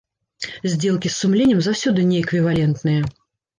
Здзелкі з сумленнем заўсёды неэквівалентныя.